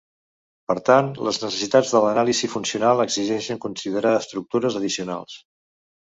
Per tant, les necessitats de l'anàlisi funcional exigeixen considerar estructures addicionals.